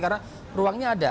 karena ruangnya ada